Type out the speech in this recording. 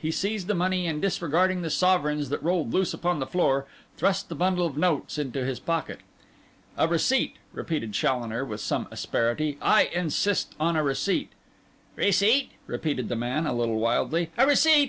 He seized the money, and disregarding the sovereigns that rolled loose upon the floor, thrust the bundle of notes into his pocket. 'A receipt,' repeated Challoner, with some asperity. 'I insist on a receipt.' 'Receipt?' repeated the man, a little wildly. 'A receipt?